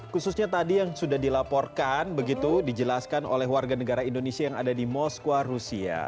khususnya tadi yang sudah dilaporkan begitu dijelaskan oleh warga negara indonesia yang ada di moskwa rusia